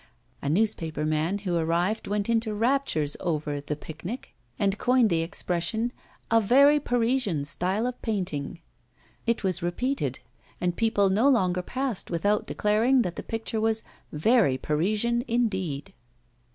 A newspaper man who arrived went into raptures over the 'Picnic,' and coined the expression 'a very Parisian style of painting.' It was repeated, and people no longer passed without declaring that the picture was 'very Parisian' indeed.